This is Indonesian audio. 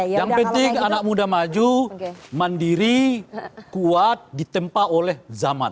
yang penting anak muda maju mandiri kuat ditempa oleh zaman